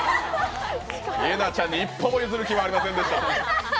イェナちゃんに一歩も譲る気ありませんでした。